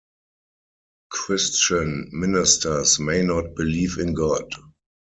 Christian ministers may not believe in God.